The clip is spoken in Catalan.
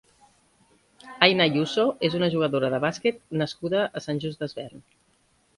Aina Ayuso és una jugadora de bàsquet nascuda a Sant Just Desvern.